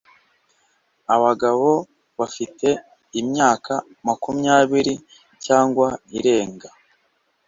abagabo bafite imyaka makumyabiri cyangwa irenga.